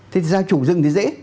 thế thì giao chủ rừng thì dễ